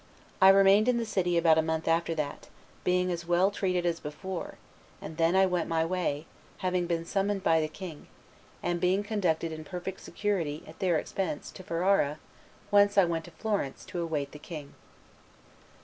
... I remained in the city about a month after that, being as well treated as before; and then I went my way, having been summoned by the king, and being conducted in perfect security, at their expense, to Ferrara, whence I went to Florence for to await the king."